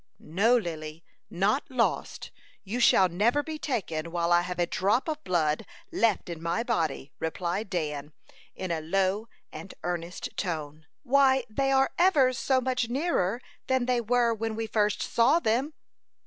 "No, Lily, not lost. You shall never be taken while I have a drop of blood left in my body," replied Dan, in a low and earnest tone. "Why, they are ever so much nearer than they were when we first saw them."